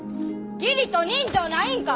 義理と人情ないんか！